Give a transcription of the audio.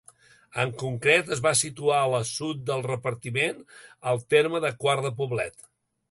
En concret, es va situar a l'assut del Repartiment, al terme de Quart de Poblet.